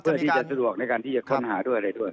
เพื่อที่จะสะดวกในการที่จะค้นหาด้วยอะไรด้วย